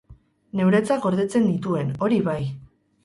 Neuretzat gordetzen nituen, hori bai.